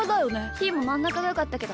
ひーもまんなかがよかったけど。